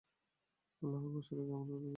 আল্লাহর উপর ভরসা রেখে তাদেরকে সেখানে রেখে আসেন।